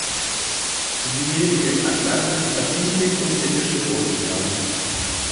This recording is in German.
Sie leben im Atlantik, Pazifik und Indischen Ozean.